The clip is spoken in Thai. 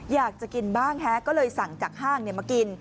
อยากจะกินบ้างก็เลยสั่งจากห้างมากิน